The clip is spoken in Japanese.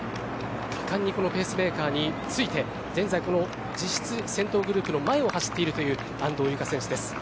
果敢にこのペースメーカーについて現在この実質、先頭グループの前を走っているという安藤友香選手です。